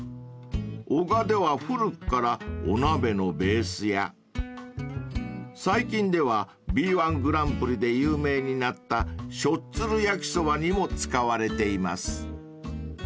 ［男鹿では古くからお鍋のベースや最近ではＢ−１グランプリで有名になったしょっつる焼きそばにも使われています］